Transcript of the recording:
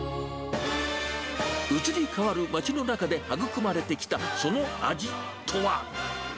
移り変わる街の中で育まれてきたその味とは。